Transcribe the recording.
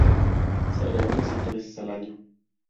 Se reúne siete veces al año.